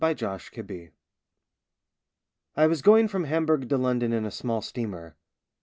ON THE SEA I WAS going from Hamburg to London in a small steamer.